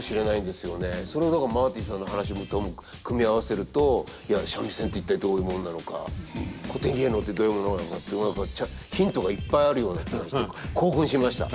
それをだからマーティさんの話とも組み合わせるといや三味線って一体どういうものなのか古典芸能ってどういうものなのかっていうのがヒントがいっぱいあるような気がして興奮しました。